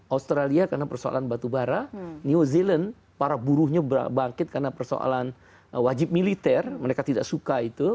australia karena persoalan batubara new zealand para buruhnya bangkit karena persoalan wajib militer mereka tidak suka itu